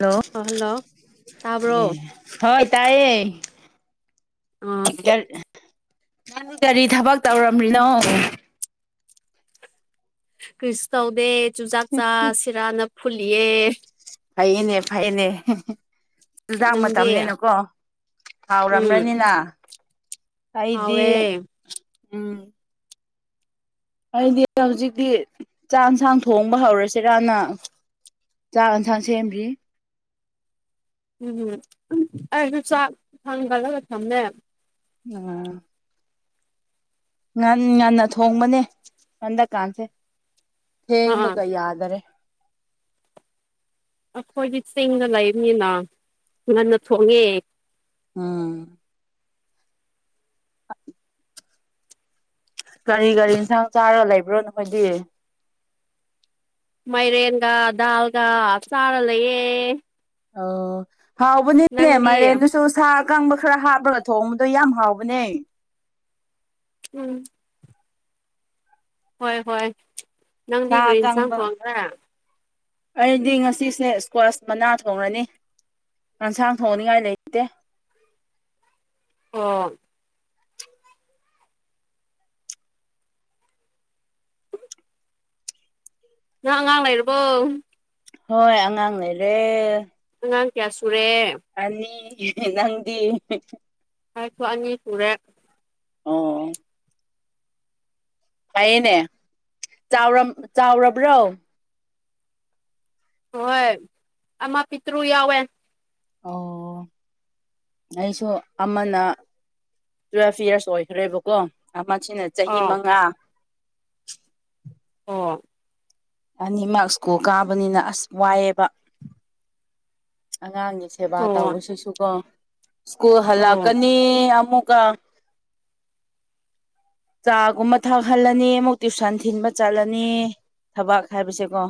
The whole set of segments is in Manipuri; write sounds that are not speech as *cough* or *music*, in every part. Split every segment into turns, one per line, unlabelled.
ꯍꯜꯂꯣ
ꯑꯣ ꯍꯜꯂꯣ
ꯑꯦ
ꯇꯥꯕ꯭ꯔꯣ
ꯍꯣꯏ ꯇꯥꯏꯌꯦ
ꯑꯥ
ꯀ ꯅꯪ ꯀꯔꯤ ꯊꯕꯛ ꯇꯧꯔꯝꯃꯤꯅꯣ
ꯀ꯭ꯔꯤꯁꯨ ꯇꯧꯗꯦ ꯆꯨꯖꯥꯛ ꯆꯥ ꯁꯤꯔꯥꯅ ꯐꯨꯜꯂꯤꯌꯦ
ꯐꯩꯌꯦꯅꯦ ꯐꯩꯌꯦꯅꯦ ꯆꯨꯖꯥꯛ
ꯅꯪꯗꯤ
ꯃꯇꯝꯅꯤꯅꯀꯣ
ꯎꯝ
ꯍꯥꯎꯔꯝ꯭ꯔꯅꯤꯅ ꯑꯩꯗꯤ
ꯍꯥꯎꯋꯦ
ꯎꯝ ꯑꯩꯗꯤ ꯍꯧꯖꯤꯛꯇꯤ ꯆꯥꯛ ꯌꯦꯟꯁꯥꯡ ꯊꯣꯡꯕ ꯍꯧꯔꯁꯤꯔꯅ ꯆꯥꯛ ꯌꯦꯟꯁꯥꯡ ꯁꯦꯝꯕꯤ
ꯎꯝꯝ ꯑꯩꯁꯨ ꯆꯥꯛ ꯊꯥꯡꯒꯠꯂꯒ ꯊꯝꯃꯦ
ꯎꯝ ꯉꯟ ꯉꯟꯅ ꯊꯣꯡꯕꯅꯦ ꯍꯟꯗꯛꯀꯥꯟꯁꯦ
ꯑꯥ
ꯊꯦꯡꯕꯒ ꯌꯥꯗꯔꯦ
ꯑꯩꯈꯣꯏꯗꯤ ꯆꯤꯡꯗ ꯂꯩꯕꯅꯤꯅ ꯉꯟꯅ ꯊꯣꯡꯉꯦ
ꯎꯝ *inaudible* ꯀꯔꯤ ꯀꯔꯤ ꯌꯦꯟꯁꯥꯡ ꯆꯥꯔ ꯂꯩꯕ꯭ꯔꯣ ꯅꯈꯣꯏꯗꯤ
ꯃꯥꯏꯔꯦꯟꯒ ꯗꯥꯜꯒꯞ ꯆꯥꯔ ꯂꯩꯌꯦꯦ
ꯑꯣ ꯍꯥꯎꯕꯅꯤꯅꯦ
ꯅꯪꯗꯤ
ꯃꯥꯏꯔꯦꯟ ꯁꯨ ꯁꯥ ꯑꯀꯪꯕ ꯈꯔ ꯍꯥꯞꯄꯒ ꯊꯣꯡꯕꯗꯣ ꯌꯥꯝ ꯍꯥꯎꯕꯅꯦ
ꯎꯝ ꯍꯣꯏ ꯍꯣꯏ ꯅꯪꯗꯤ ꯀꯔꯤ
ꯁꯥ
ꯌꯦꯟꯁꯥꯡ
ꯑꯀꯪꯕ
ꯊꯣꯡꯗ꯭ꯔꯥ
ꯑꯩꯗꯤ ꯉꯁꯤꯁꯦ ꯏꯁꯀ꯭ꯋꯥꯁ ꯃꯅꯥ ꯊꯣꯡꯉꯅꯤ ꯌꯦꯟꯁꯥꯡ ꯊꯣꯡꯅꯤꯡꯉꯥꯏ ꯂꯩꯇꯦ
ꯑꯣ ꯅꯪ ꯑꯉꯥꯡ ꯂꯩꯔꯕꯣ
ꯍꯣꯏ ꯑꯉꯥꯡ ꯂꯩꯔꯦ
ꯑꯉꯥꯡ ꯀꯌꯥ ꯁꯨꯔꯦ
ꯑꯅꯤ ꯅꯪꯗꯤ
ꯑꯩꯁꯨ ꯑꯅꯤ ꯁꯨꯔꯦ
ꯑꯣ ꯐꯩꯌꯦꯅꯦ ꯆꯥꯎ ꯆꯥꯎꯔꯕ꯭ꯔꯣ
ꯍꯣꯏ ꯑꯃ ꯄꯤꯇ꯭ꯔꯨ ꯌꯥꯎꯋꯦ
ꯑꯣ
*unintelligible*
ꯑꯩꯁꯨ ꯑꯃꯅ ꯇꯨꯋꯦꯜꯐ ꯏꯌꯥꯔꯁ ꯑꯣꯏꯈ꯭ꯔꯦꯕꯀꯣ ꯑꯃꯅ ꯆꯍꯤ
ꯑꯥ
ꯃꯉꯥ
ꯑꯣ
ꯑꯅꯤꯃꯛ ꯁ꯭ꯀꯨꯜ ꯀꯥꯕꯅꯤꯅ ꯑꯁ ꯋꯥꯏꯑꯦꯕ ꯑꯉꯥꯡꯒꯤ ꯁꯦꯕꯥ
ꯑꯣ
ꯇꯧꯕꯁꯤꯁꯨꯀꯣ ꯁ꯭ꯀꯨꯜ
ꯑꯣ
ꯍꯜꯂꯛꯀꯅꯤ ꯑꯃꯨꯛꯀ
*unintelligible*
ꯆꯥꯒꯨꯝꯕ ꯊꯛꯍꯜꯂꯅꯤ ꯑꯃꯨꯛ ꯇ꯭ꯨꯁꯟ ꯊꯤꯟꯕ ꯆꯠꯂꯅꯤ ꯊꯕꯥꯛ ꯍꯥꯏꯕꯁꯦꯀꯣ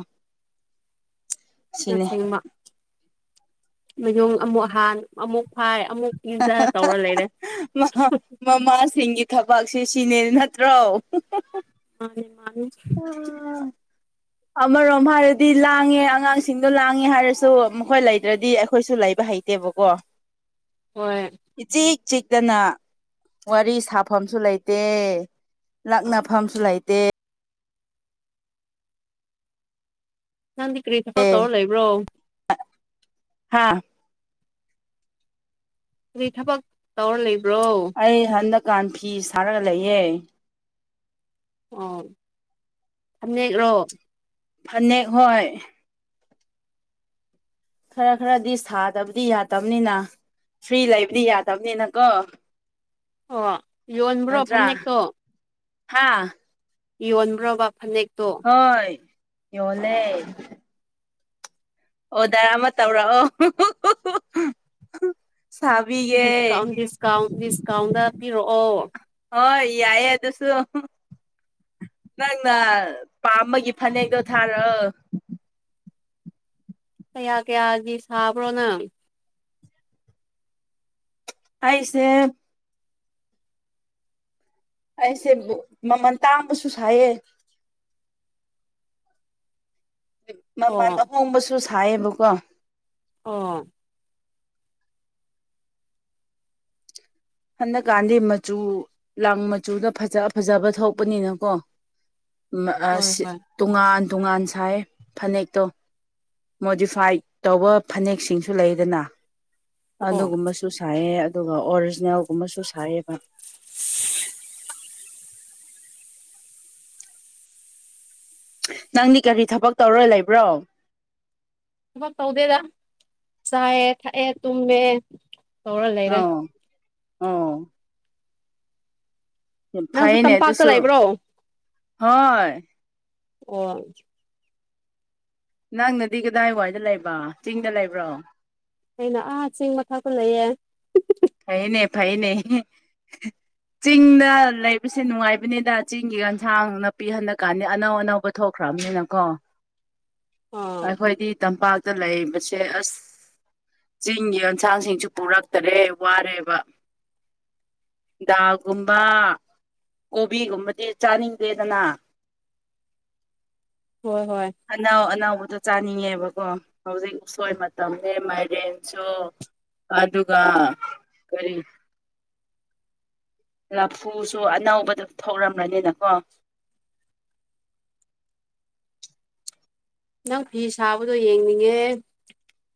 ꯁꯤꯅꯦ
ꯆꯃ ꯃꯌꯨꯡ ꯑꯃꯨꯛ ꯍꯥꯟ ꯑꯃꯨꯛ ꯐꯥꯏ ꯑꯃꯨꯛ ꯄꯤꯖ ꯇꯧꯔ ꯂꯩꯔꯦ
ꯃꯃꯥꯁꯤꯡꯒꯤ ꯊꯕꯛꯁꯦ ꯁꯤꯅꯦ ꯅꯠꯇ꯭ꯔꯣ
ꯃꯥꯅꯦ ꯃꯥꯅꯤ
*unintelligible* ꯑꯃꯔꯣꯝ ꯍꯥꯏꯔꯗꯤ ꯂꯥꯡꯉꯦ ꯑꯉꯥꯡꯁꯤꯡꯗꯣ ꯂꯥꯡꯉꯦ ꯍꯥꯏꯔꯁꯨ ꯃꯈꯣꯏ ꯂꯩꯗ꯭ꯔꯗꯤ ꯑꯩꯈꯣꯏꯁꯨ ꯂꯩꯕ ꯍꯩ ꯠꯇꯦꯕꯀꯣ
ꯍꯣꯏ
ꯏꯆꯤꯛ ꯆꯤꯛꯇꯅ ꯋꯥꯔꯤ ꯁꯥꯐꯝꯁꯨ ꯂꯩꯇꯦ ꯂꯛꯅꯐꯝꯁꯨ ꯂꯩꯇꯦ
ꯅꯪꯗꯤ ꯀ꯭ꯔꯤ ꯊꯕ ꯇꯧꯔ ꯂꯩꯕ꯭ꯔꯣ
ꯍꯥꯥ
ꯑꯗꯨꯗꯤ ꯊꯕꯛ ꯇꯧꯔ ꯂꯩꯕ꯭ꯔꯣ
ꯑꯩ ꯍꯟꯗꯛꯀꯥꯟ ꯐꯤ ꯁꯥꯔꯒ ꯂꯩꯌꯦ
ꯑꯣ ꯊꯝꯅꯦꯛ꯭ꯔꯣ
ꯐꯅꯦꯛ ꯍꯣꯏ ꯈꯔ ꯈꯔꯗꯤ ꯁꯥꯗꯕꯗꯤ ꯌꯥꯗꯕꯅꯤꯅ ꯐ꯭ꯔꯤ ꯂꯩꯕꯗꯤ ꯌꯥꯗꯕꯅꯤꯅꯀꯣ
ꯑꯣ ꯌꯣꯟꯕ꯭ꯔꯣ
ꯅꯠꯇ꯭ꯔ
ꯐꯅꯦꯛꯇꯣ
ꯍꯥꯥ
ꯌꯣꯟꯕ꯭ꯔꯕ ꯐꯅꯦꯛꯇꯣ
ꯍꯣꯏ ꯌꯣꯜꯂꯦ ꯑꯣꯗꯔ ꯑꯃ ꯇꯧꯔꯛꯑꯣ ꯁꯥꯕꯤ
ꯗꯤꯁꯀꯥꯎꯟ ꯗꯤꯁꯀꯥꯎꯟ ꯗꯤꯁꯀꯥꯎꯟꯗ ꯄꯤꯔꯛꯑꯣ
ꯍꯣꯏ ꯌꯥꯏꯌꯦ ꯑꯗꯨꯁꯨ ꯅꯪꯅ ꯄꯥꯝꯕꯒꯤ ꯐꯅꯦꯛꯗꯣ ꯊꯥꯔꯛꯑꯣ
ꯀꯌꯥ ꯀꯌꯥꯒꯤ ꯁꯥꯕ꯭ꯔꯣ ꯅꯪ
ꯑꯩꯁꯦ ꯑꯩꯁꯦ ꯃꯃꯜ ꯇꯥꯡꯕꯁꯨ ꯁꯥꯏꯑ ꯃꯃꯜ
ꯑꯣ
ꯑꯍꯣꯡꯕꯁꯨ ꯁꯥꯏꯌꯦꯕꯀꯣ
ꯑꯣ
ꯍꯟꯗꯛꯀꯥꯟꯗꯤ ꯃꯆꯨ ꯂꯥꯡ ꯃꯆꯨꯗ ꯐꯖ ꯐꯖꯕ ꯊꯣꯛꯄꯅꯤꯅꯀꯣ ꯑ
ꯍꯣꯏ
ꯁꯤ
ꯍꯣꯏ
ꯇꯣꯉꯥꯟ ꯇꯣꯉꯥꯟ ꯁꯥꯏ ꯐꯅꯦꯛꯇꯣ ꯃꯣꯗꯤꯐꯥꯏ ꯇꯧꯕ ꯐꯅꯦꯛꯁꯤꯡꯁꯨ ꯂꯩꯗꯅ
ꯑꯣ
ꯑꯗꯨꯒꯨꯝꯕꯁꯨ ꯁꯥꯏꯌꯦ ꯑꯗꯨꯒ ꯑꯣꯔꯤꯖꯤꯅꯦꯜꯒꯨꯝꯕꯁꯨ ꯁꯥꯏꯌꯦꯕ
*unintelligible*
ꯅꯪꯗꯤ ꯀꯔꯤ ꯊꯕꯛ ꯇꯧꯔꯣꯏ ꯂꯩꯕ꯭ꯔꯣ
ꯊꯕꯛ ꯇꯧꯗꯦꯗ ꯆꯥꯏꯌꯦ ꯊꯛꯑꯦ ꯇꯨꯝꯃꯦ ꯇꯧꯔ ꯂꯩꯔꯦ
ꯑꯣ ꯑꯣ
ꯅꯪꯁꯨ
ꯐꯩꯅꯦ
ꯇꯝꯄꯥꯛꯇ
ꯑꯗꯨꯁꯨ
ꯂꯩꯕ꯭ꯔꯣ
ꯍꯣꯏ
ꯑꯣ
ꯅꯪꯅꯗꯤ ꯀꯗꯥꯏꯋꯥꯏꯗ ꯂꯩꯕ ꯆꯤꯡꯗ ꯂꯩꯕ꯭ꯔꯣ
ꯑꯩꯅ ꯑꯥ ꯆꯤꯡ ꯊꯢꯃꯊꯛꯇ ꯂꯩꯌꯦ
ꯐꯩꯅꯦ ꯐꯩꯅꯦ ꯑꯍ
*unintelligible*
ꯆꯤꯡꯗ ꯂꯩꯕꯁꯦ ꯅꯨꯡꯉꯥꯏꯕꯅꯤꯗ ꯆꯤꯡꯒꯤ ꯑꯦꯟꯁꯥꯡꯅꯄꯤꯤꯍꯟꯟꯅ ꯀꯥꯟꯅꯤ ꯑꯅꯧ ꯑꯅꯧꯕ ꯊꯣꯛꯈ꯭ꯔꯕꯅꯤꯅꯀꯣ
ꯑꯥ
ꯑꯩꯈꯣꯏꯗꯤ ꯇꯝꯄꯥꯛ ꯇ ꯂꯩꯕꯁꯦ ꯑꯁ ꯆꯤꯡꯒꯤ ꯑꯦꯟꯁꯥꯡꯁꯤꯡꯁꯨ ꯄꯨꯔꯛꯇꯔꯦ ꯋꯥꯔꯦꯕ ꯗꯒꯨꯝꯕ ꯀꯣꯕꯤꯒꯨꯝꯕꯗꯤ ꯆꯥꯅꯤꯡꯗꯦꯗꯅ
ꯍꯣꯏ ꯍꯣꯏ
ꯑꯅꯥꯎ ꯑꯅꯥꯎꯕꯗꯣ ꯆꯥꯅꯤꯡꯉꯦꯕꯀꯣ ꯍꯧꯖꯤꯛ ꯎꯁꯣꯏ ꯃꯇꯝꯅꯦ ꯃꯥꯏꯔꯦꯟꯁꯨ ꯑꯗꯨꯒ ꯀꯔꯤ ꯂꯐꯨꯁꯨ ꯑꯅꯧꯕꯗ ꯊꯧꯔꯝ꯭ꯔꯅꯤꯅꯀꯣ
ꯅꯪ ꯐꯤ ꯁꯥꯕꯗꯣ ꯌꯦꯡꯅꯤꯡꯉꯦ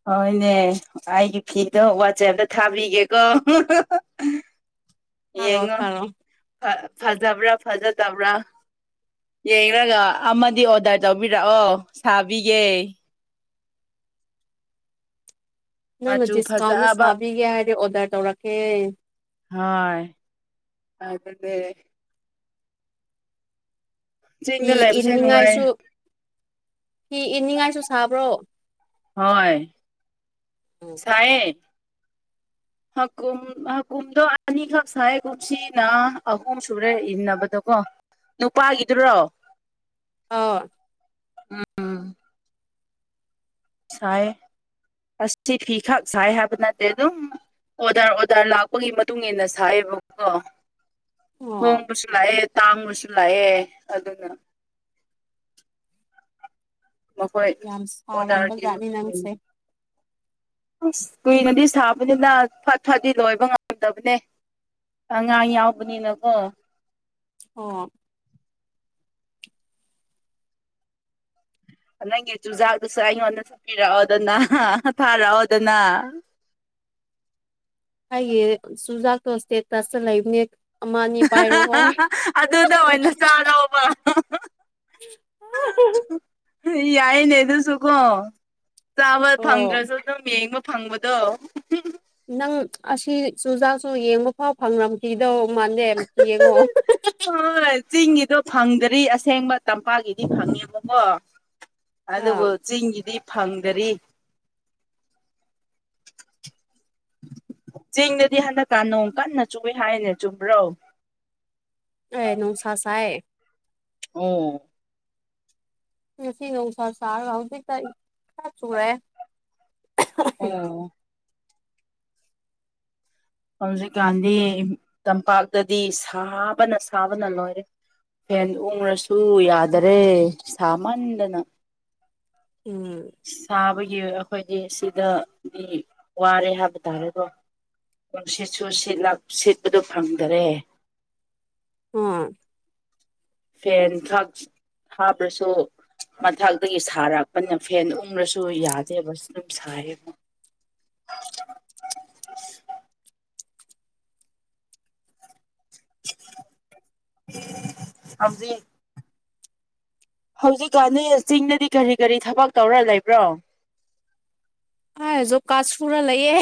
ꯍꯣꯏꯅꯦ ꯑꯩꯒꯤ ꯐꯤꯗꯣ ꯋꯥꯆꯦꯞꯇ ꯊꯥꯕꯤꯒꯦꯀꯣ
ꯊꯥꯔꯛꯑꯣ
ꯌꯦꯡꯉꯣ
ꯊꯥꯔꯛꯑꯣ
ꯑ ꯐꯖꯕ꯭ꯔꯥ ꯐꯖꯗꯕ꯭ꯔꯥ ꯌꯦꯡꯂꯡꯒ ꯑꯃꯗꯤ ꯑꯣꯔꯗꯔ ꯇꯧꯕꯤꯔꯛꯑꯣ ꯁꯥꯕꯤꯒꯦ
ꯅꯪꯅ
ꯃꯆꯨ
ꯗꯤꯁꯀꯥꯎꯟꯟꯅ
ꯐꯖꯕ
ꯁꯥꯕꯤꯒꯦ ꯍꯥꯏꯔꯗꯤ ꯑꯣꯔꯗꯔ ꯇꯧꯔꯛꯀꯦ
ꯍꯣꯏ ꯑꯗꯒꯤ
ꯍꯤ
ꯆꯤꯡꯗ ꯂꯩꯕꯁꯦ
ꯏꯅꯤꯡꯉꯥꯏꯁꯨ
ꯅꯨꯡꯉꯥꯏ
ꯍꯤ ꯏꯅꯤꯡꯉꯥꯏꯁꯨ ꯁꯥꯕ꯭ꯔꯣ
ꯍꯣꯏ ꯁꯥꯏꯌꯦ ꯍꯥꯀꯨꯝ ꯍꯥꯀꯨꯝꯗꯣ ꯑꯅꯤꯈꯛ ꯁꯥꯏꯒꯨꯞꯁꯤꯅ ꯑꯍꯨꯝ ꯁꯨꯔꯦ ꯏꯟꯅꯕꯗꯀꯣ ꯅꯨꯄꯥꯒꯤꯗꯨꯔꯣ
ꯑꯥꯎ
ꯁꯥꯏ ꯑꯁꯤ ꯐꯤ ꯈꯛ ꯁꯥꯏ ꯍꯥꯏꯕ ꯅꯠꯇꯦ ꯑꯗꯨ ꯑꯣꯗꯔ ꯑꯣꯗꯔ ꯂꯥꯛꯄꯒꯤ ꯃꯇꯨꯡ ꯏꯟꯅ ꯁꯥꯏꯑꯕꯀꯣ
ꯑꯣ
ꯍꯣꯡꯕꯁꯨ ꯂꯥꯛꯑꯦ ꯇꯥꯡꯕꯁꯨ ꯂꯥꯛꯑꯦ ꯑꯗꯨꯅ ꯃꯈꯣꯏ
ꯌꯥꯝ ꯁꯥꯔꯝꯕ
ꯑꯣꯗꯔꯒꯤ
ꯖꯥꯠꯅꯤ
ꯃꯇꯨꯡ
ꯅꯪꯁꯦ
ꯑꯁ ꯀꯨꯏꯅꯗꯤ ꯁꯥꯕꯅꯤꯅ ꯐꯠ ꯐꯗꯤ ꯂꯣꯏꯕ ꯉꯝꯗꯕꯅꯦ ꯑꯉꯥꯡ ꯌꯥꯎꯕꯅꯤꯅꯀꯣ
ꯑꯣ
ꯅꯪꯒꯤ ꯆꯨꯖꯥꯛꯗꯨꯁꯨ ꯑꯩꯉꯣꯟꯗ ꯁꯠꯄꯤꯔꯛꯑꯣꯗꯅ ꯑ ꯍ ꯍ ꯊꯥꯔꯛꯑꯣꯗꯅ
ꯌꯦ ꯁꯨꯖꯥꯛꯇꯣ ꯁ꯭ꯇꯦꯇꯁꯇ ꯂꯩꯕꯅꯦ ꯑꯃ ꯑꯅꯤ
ꯑ ꯍ
ꯄꯥꯏꯔꯣꯀꯣ
ꯍ ꯍ ꯑꯗꯨꯗ ꯑꯣꯏꯅ ꯆꯥꯔꯣꯕ ꯌꯥꯏꯅ ꯑꯦ ꯑꯗꯨꯁꯨꯀꯣ ꯆꯥꯕ
ꯑꯣ
ꯐꯪꯗ꯭ꯔꯁꯨ ꯑꯗꯨꯝ ꯌꯦꯡꯕ ꯐꯪꯕꯗꯣ
ꯅꯪ ꯑꯁꯤ ꯆꯨꯖꯥꯛꯁꯨ ꯌꯦꯡꯕ ꯐꯥꯎ ꯐꯪꯉꯝꯈꯤꯗꯧ ꯃꯥꯟꯗꯦ ꯌꯦꯡꯉꯣ ꯍ ꯍ ꯍ
ꯍꯣꯏ ꯆꯤꯡꯒꯤꯗꯣ ꯐꯪꯗ꯭ꯔꯤ ꯑꯁꯦꯡꯕ ꯇꯝꯄꯥꯛꯀꯤꯗꯤ ꯐꯪꯉꯦꯕꯀꯣ
ꯑꯥ
ꯑꯗꯨꯕꯨ ꯆꯤꯡꯒꯤꯗꯤ ꯐꯪꯗꯔꯤ ꯆꯦꯡꯗꯗꯤ ꯍꯟꯗꯛꯛꯇ ꯅꯣꯡ ꯀꯟꯅ ꯆꯨꯏ ꯍꯥꯏꯅꯦ ꯆꯨꯝꯕ꯭ꯔꯣ
ꯑꯦ ꯅꯣꯡꯁꯥ ꯁꯥꯏꯑꯦ
ꯑꯣ
ꯉꯁꯤ ꯅꯨꯡꯁꯥ ꯁꯥꯔꯒ ꯍꯧꯖꯤꯛꯇ ꯈꯔ ꯆꯨꯔꯛꯑꯦ
ꯑꯣ ꯍꯧꯖꯤꯛꯀꯥꯟꯗꯤ ꯇꯝꯄꯥꯛꯇꯗꯤ ꯁꯥꯕꯅ ꯁꯥꯕꯅ ꯂꯣꯏꯔꯦ ꯐꯦꯟ ꯎꯨꯔꯁꯨ ꯌꯥꯗꯔꯦ ꯁꯥꯃꯟꯗꯅ
ꯎꯨꯝ
ꯁꯥꯕꯒꯤ ꯑꯩꯈꯣꯏꯗꯤ ꯁꯤꯗꯗꯤ ꯋꯥꯔꯦ ꯍꯥꯏꯕ ꯇꯥꯔꯦꯀꯣ ꯅꯨꯡꯁꯤꯠꯁꯨ ꯁꯤꯠꯂꯛ ꯁꯤꯠꯄꯗꯨ ꯐꯪꯗꯔꯦ
ꯑꯣ
ꯐꯦꯟ ꯊꯛ ꯍꯥꯞꯔꯁꯨ ꯃꯊꯛꯇꯒꯤ ꯁꯥꯔꯛꯄꯅ ꯐꯦꯟ ꯎꯔꯁꯨ ꯌꯥꯗꯦꯕ ꯑꯗꯨꯝ ꯁꯥꯏꯌꯦꯕ
*inaudible*
ꯍꯧꯖꯤꯛ ꯍꯧꯖꯤꯛꯀꯥꯟꯅꯤ ꯆꯤꯡꯗꯗꯤ ꯀꯔꯤ ꯀꯔꯤ ꯊꯥꯕꯛ ꯇꯧꯔ ꯂꯩꯕ꯭ꯔꯣ
ꯑꯥ ꯖꯣꯞ ꯀꯥꯔꯗ ꯁꯨꯔ ꯂꯩꯌꯦ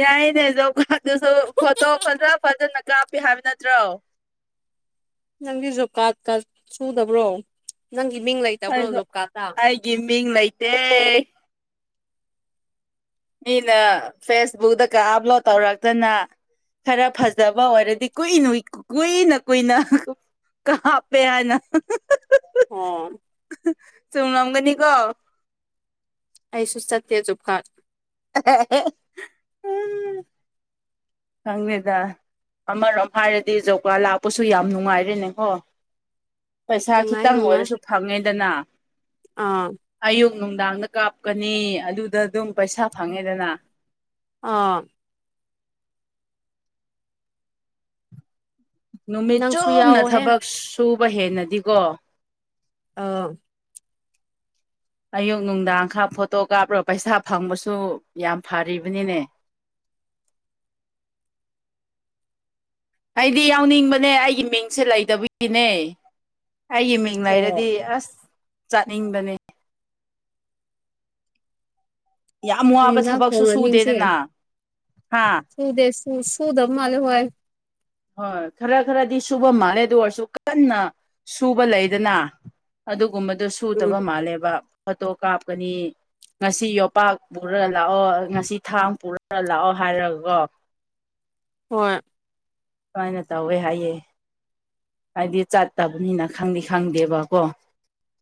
ꯌꯥꯏꯅꯦ ꯖꯣꯕ ꯀꯥꯔꯗꯇꯨꯁꯨ ꯐꯣꯇꯣ ꯐꯖ ꯐꯖꯅ ꯀꯥꯞꯄꯦ ꯍꯥꯏꯕ ꯅꯠꯇ꯭ꯔꯣ
ꯅꯪꯗꯤ ꯖꯣꯕ ꯀꯥꯔꯗ ꯀ ꯁꯨꯗꯕ꯭ꯔꯣ ꯅꯪꯒꯤ ꯃꯤꯡ ꯂꯩ
ꯍꯣꯏꯗꯣ ꯑꯩꯒꯤ ꯃꯤꯡ ꯂꯩꯇꯦ ꯃꯤꯅ ꯐꯦꯁꯕꯨꯛꯇꯛꯇꯒ ꯑꯞꯂꯣꯗ ꯇꯧꯔꯛꯇꯅ ꯈꯔ ꯐꯖꯕ ꯑꯣꯏꯔꯗꯤ ꯀꯨꯏꯅ ꯀꯨꯏꯅ ꯀꯨꯏꯅ ꯀꯥꯞꯄꯦ ꯍꯥꯏꯅ
ꯑꯣ
ꯆꯨꯝꯂꯝꯒꯅꯤꯀꯣ
ꯑꯩꯁꯨ ꯆꯠꯇꯦ ꯖꯣꯞ ꯀꯥꯔꯗ
*unintelligible* ꯈꯪꯗꯦꯗ ꯑꯃꯔꯣꯝ ꯍꯥꯏꯔꯗꯤ ꯖꯧꯒꯥ ꯂꯥꯛꯄꯁꯨ ꯌꯥꯝ ꯅꯨꯡꯉꯥꯏꯔꯦꯅꯦꯀꯣ ꯄꯩꯁꯥ
ꯅꯨꯡꯉꯥꯏ
ꯈꯤꯇꯪ
ꯅꯨꯡꯉꯥꯏ
ꯑꯣꯏꯔꯁꯨ ꯐꯪꯉꯦꯗꯅ
ꯑꯥ
ꯑꯌꯨꯛ ꯅꯨꯡꯗꯥꯡꯗ ꯀꯥꯞꯀꯅꯤ ꯑꯗꯨꯗ ꯑꯗꯨꯝ ꯄꯩꯁꯥ ꯐꯪꯉꯦꯗꯅ
ꯑꯥ
ꯅꯨꯃꯤꯠ
ꯅꯪꯁꯨ
ꯆꯨꯝꯅ
ꯌꯥꯎꯋꯣꯍꯦ
ꯊꯕꯛ ꯁꯨꯕ ꯍꯦꯟꯅꯗꯤꯀꯣ
ꯑꯥ
ꯑꯌꯨꯛ ꯅꯨꯡꯗꯥꯡ ꯈꯥ ꯐꯣꯇꯣ ꯀꯥꯞꯔ ꯄꯩꯁꯥ ꯐꯪꯕꯁꯨ ꯌꯥꯝ ꯐꯔꯤꯕꯅꯤꯅꯦ ꯑꯩꯗꯤ ꯌꯥꯎꯅꯤꯡꯕꯅꯦ ꯑꯩꯒꯤ ꯃꯤꯡꯁꯦ ꯂꯩꯗꯕꯒꯤꯅꯦ ꯑꯩꯒꯤ ꯃꯤꯡ ꯃꯤꯡ
ꯑꯣ
ꯂꯩꯔꯗꯤ ꯑꯁ ꯆꯠꯅꯤꯡꯕꯅꯦ ꯌꯥꯝ
ꯀꯔꯤ
ꯋꯥꯕ
ꯏꯟꯖꯥꯡ
ꯊꯕꯛꯁꯨ
ꯊꯣꯡꯔꯅꯤ ꯉꯁꯤ
ꯁꯨꯗꯦꯗꯅ ꯍꯥ
ꯁꯨꯗꯦ ꯁꯨ ꯁꯨꯗꯃꯥꯜꯂꯦ ꯍꯣꯏ
ꯍꯣꯏ ꯈꯔ ꯈꯔꯗꯤ ꯁꯨꯕ ꯃꯥꯜꯂꯦ ꯗꯨ ꯑꯣꯏꯔꯁꯨ ꯀꯟꯅ ꯁꯨꯕ ꯂꯩꯗꯅ ꯑꯗꯨꯒꯨꯝꯕꯗꯨ
ꯎꯝ
ꯁꯨꯗꯕ ꯃꯥꯜꯂꯦꯕ ꯐꯣꯇꯣ ꯀꯥꯞꯀꯅꯤ ꯉꯁꯤ ꯌꯣꯄꯥꯛ ꯄꯨꯔ ꯂꯥꯛꯑꯣ ꯉꯁꯤ ꯊꯥꯡ ꯄꯨꯔꯒ ꯂꯥꯛꯑꯣ ꯍꯥꯏꯔꯒꯒꯣ
ꯍꯣꯏ
ꯁꯨꯃꯥꯏꯅ ꯇꯧꯋꯦ ꯍꯥꯏꯌꯦ ꯑꯩꯏꯗꯤ ꯆꯠꯇꯕꯅꯤꯅ ꯈꯪꯗꯤ ꯈꯪꯗꯦꯕꯀꯣ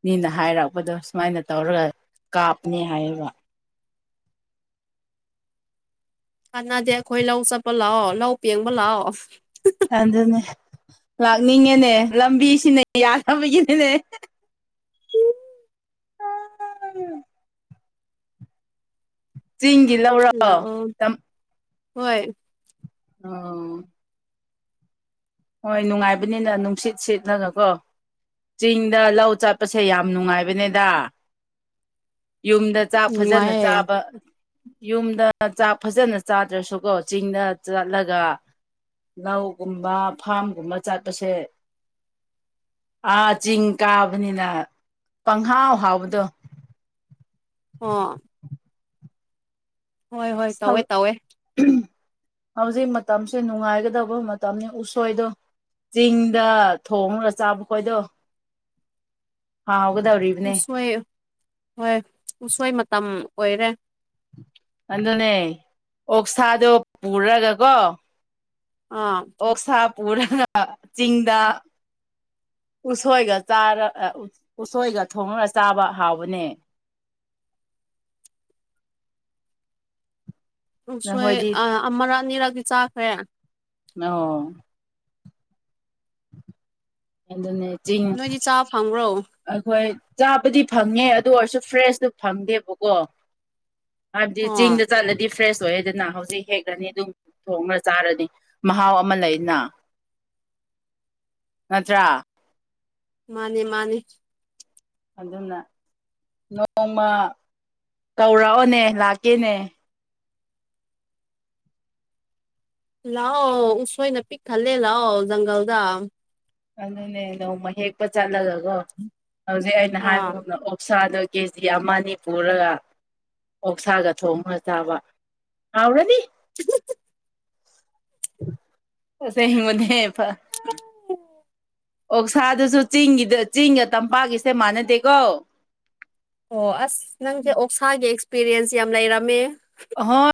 ꯃꯤꯅ ꯍꯥꯏꯔꯛꯄꯗꯣ ꯁꯨꯃꯥꯏꯅ ꯇꯧꯔꯒ ꯀꯥꯞꯅꯤ ꯍꯥꯏꯌꯦꯕ
ꯀꯥꯟꯅꯗꯦ ꯑꯩꯈꯣꯏ ꯂꯧ ꯆꯠꯄ ꯂꯥꯛꯑꯣ ꯂꯧ ꯄꯦꯡꯕ ꯂꯥꯛꯑꯣ
ꯑꯗꯨꯅꯦ ꯂꯥꯛꯅꯤꯡꯉꯦꯅꯦ ꯂꯝꯕꯤꯁꯤꯅ ꯌꯥꯅꯕꯒꯤꯅꯦ *unintelligible* ꯆꯤꯡꯒꯤ ꯂꯧꯔꯣ
ꯂꯥꯛꯑꯣ
ꯇꯝ
ꯍꯣꯏ
ꯑꯣ ꯍꯣꯏ ꯅꯨꯡꯉꯥꯏꯕꯅꯤꯅ ꯅꯨꯡꯁꯤꯠ ꯁꯤꯠꯂꯒ ꯀꯣ ꯆꯤꯡꯗ ꯂꯧ ꯆꯠꯄꯁꯦ ꯌꯥꯝ ꯅꯨꯡꯉꯥꯏꯕꯅꯦꯗ
*inaudible*
ꯌꯨꯝꯗ ꯆꯥꯛ ꯐꯖꯅ
ꯅꯨꯡꯉꯥꯏꯌꯦ
ꯆꯥꯕ ꯌꯨꯝꯗ ꯆꯥꯛ ꯐꯖꯅ ꯆꯥꯗ꯭ꯔꯁꯨꯀꯣ ꯆꯤꯡꯗ ꯆꯠꯂꯒ ꯂꯧꯒꯨꯝꯕ ꯐꯥꯝꯒꯨꯝꯕ ꯆꯠꯄꯁꯦ ꯑꯥ ꯆꯤꯡ ꯀꯥꯕꯅꯤꯅ ꯄꯪꯍꯥꯎ ꯍꯥꯎꯕꯗꯣ
ꯑꯣ ꯍꯣꯏ ꯍꯣꯏ
ꯁꯜ
ꯇꯧꯋꯦ ꯇꯧꯋꯦ
ꯍꯧꯖꯤꯛ ꯃꯇꯝꯁꯦ ꯅꯨꯡꯉꯥꯏꯒꯗꯕ ꯃꯇꯝꯅꯤ ꯎꯁꯣꯏꯗꯣ ꯆꯤꯡꯗ ꯊꯣꯡꯔꯒ ꯆꯥꯕ ꯈꯣꯏꯗꯣ ꯍꯥ ꯍꯧꯒꯗ꯭ꯔꯤ
ꯎꯁꯣꯏ ꯍꯣꯏ ꯎꯁꯣꯏ ꯃꯇꯝ ꯑꯣꯏꯔꯦ
ꯑꯗꯨꯅꯦ ꯑꯣꯛꯁꯥꯗꯣ ꯄꯨꯔꯒꯀꯣ
ꯑꯥ
ꯀꯣꯛꯁꯥꯄꯨꯔ ꯆꯤꯡꯗ ꯎꯁꯣꯏꯒ ꯆꯔ ꯎꯁꯣꯏꯒ ꯊꯣꯡꯉꯒ ꯆꯥꯕ ꯍꯥꯎꯕꯅꯦ
ꯎ ꯁꯣꯏ
ꯅꯈꯣꯏꯗꯤ
ꯑꯃꯔꯛ ꯑꯅꯤꯔꯛꯗꯤ ꯆꯥꯈ꯭ꯔꯦ
ꯑꯣ ꯅ ꯆ *unintelligible*
ꯅꯣꯏꯗꯤ ꯆꯥ ꯐꯪꯕ꯭ꯔꯣ
ꯑꯩꯈꯣꯏ ꯆꯥꯕꯗꯤ ꯐꯪꯉꯦ ꯑꯗꯨ ꯑꯣꯏꯔꯁꯨ ꯐ꯭ꯔꯦꯁꯇꯨ ꯐꯪꯗꯦꯕꯀꯣ ꯍꯖꯤ
ꯑꯣ
ꯆꯤꯡꯗ ꯆ ꯗꯤ ꯐ꯭ꯔꯦꯁ ꯑꯣꯏꯌꯦꯦꯗꯅ ꯍꯧꯖꯤꯛ ꯍꯦꯛꯂꯅꯤ ꯑꯗꯨꯝ ꯊꯣꯡꯉ ꯆꯥꯔꯅꯤ ꯃꯍꯥꯎ ꯑꯃ ꯂꯩꯅ
*inaudible*
ꯅꯠꯇ꯭ꯔ
ꯃꯥꯅꯦ ꯃꯥꯅꯤ
ꯑꯗꯨꯅ ꯅꯣꯡꯃ ꯀꯧꯔꯛꯑꯣꯅꯦ ꯂꯥꯛꯀꯦꯅꯦ
ꯂꯥꯛꯑꯣ ꯎꯁꯣꯏꯅ ꯄꯤꯛ ꯈꯜꯂꯦ ꯂꯥꯛꯑꯣ ꯖꯪꯒꯜꯗ
ꯑꯗꯨꯅꯦ ꯅꯣꯡꯃ ꯍꯦꯛꯄ ꯆꯠꯂꯒꯒꯣ ꯍꯧꯖꯤꯛ ꯑꯩꯅ
ꯑꯥ
ꯍꯥꯏꯕꯒꯗ ꯑꯣꯞꯁꯥꯗ ꯀꯦ ꯖꯤ ꯑꯃ ꯑꯅꯤ ꯄꯨꯔꯒ ꯑꯣꯛꯁꯥꯒ ꯊꯣꯡꯒ ꯆꯥꯕ ꯍꯥꯎꯔꯅꯤ
ꯁꯤ
ꯁ ꯃꯅꯦ ꯄ
ꯎ
ꯑꯣꯛꯁꯥꯗꯨꯁꯨ ꯆꯤꯡꯒꯤꯗ ꯆꯤꯡꯒ ꯇꯝꯄꯥꯛꯀꯤꯁꯦ ꯃꯥꯟꯅꯗꯦꯀꯣ
ꯑꯣ ꯑꯁ ꯅꯪꯁꯦ ꯑꯣꯛꯁꯥꯒꯤ ꯑꯦꯛꯁꯄꯤꯔꯤꯌꯦꯟꯁ ꯌꯥꯝ ꯂꯩꯔꯝꯃꯦ
ꯑ ꯍꯣ